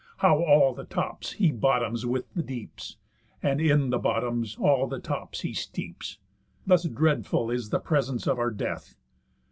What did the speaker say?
How all the tops he bottoms with the deeps, And in the bottoms all the tops he steeps! Thus dreadful is the presence of our death.